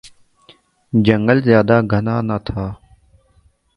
جنگل زیادہ گھنا نہ تھا